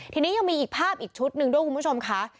ทีนี้ยังมีอีกภาพอีกชุดหนึ่งด้วยคุณผู้ชมค่ะ